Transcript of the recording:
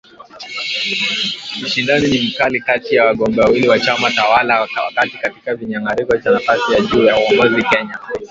ushindani ni mkali kati ya wagombea wawili wa chama tawala wakati katika kinyang’anyiro cha nafasi ya juu ya uongozi Kenya.